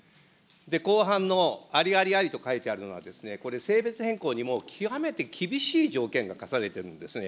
後半のありありありと書いてあるのは、これ、性別変更にも極めて厳しい条件がかされてるんですね。